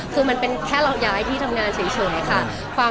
คือมันเป็นแค่เราย้ายที่ทำงานเฉยค่ะ